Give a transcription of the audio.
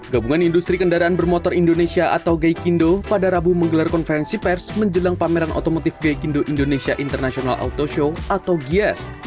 gabungan industri kendaraan bermotor indonesia atau gaikindo pada rabu menggelar konferensi pers menjelang pameran otomotif gaikindo indonesia international auto show atau gies